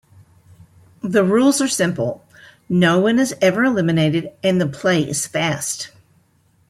The rules are simple, no one is ever eliminated, and the play is fast.